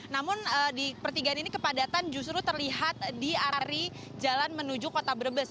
namun di pertigaan ini kepadatan justru terlihat di area jalan menuju kota brebes